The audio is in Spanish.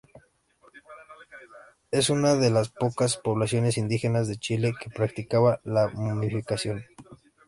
Es una de las pocas poblaciones indígenas de Chile que practicaban la momificación.